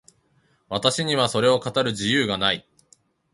私にはそれを語る自由がない。